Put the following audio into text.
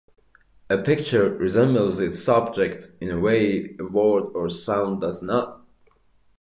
A picture resembles its object in a way a word or sound does not.